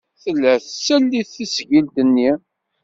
Tella tsell i tesgilt-nni.